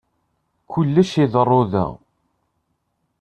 Kullec la iḍerru da.